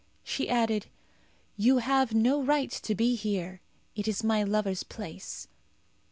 She added, "You have no right to be here; it is my lover's place."